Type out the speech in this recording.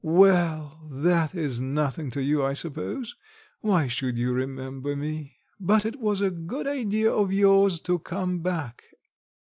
Well, that is nothing to you, I suppose; why should you remember me? But it was a good idea of yours to come back.